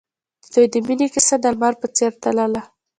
د دوی د مینې کیسه د لمر په څېر تلله.